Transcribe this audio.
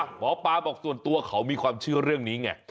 หมอปลาบอกส่วนตัวเขามีความเชื่อเรื่องนี้ไง